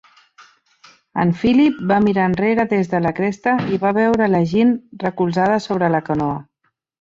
En Philip va mirar enrere des de la cresta i va veure la Jeanne recolzada sobre la canoa.